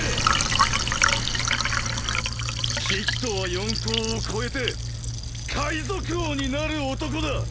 キッドは四皇を超えて海賊王になる男だ！